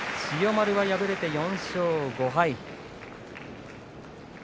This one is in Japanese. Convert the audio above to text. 千代丸は敗れて４勝５敗。